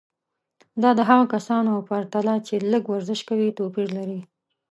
دا د هغو کسانو په پرتله چې لږ ورزش کوي توپیر لري.